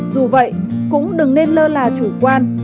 dù vậy cũng đừng nên lơ là chủ quan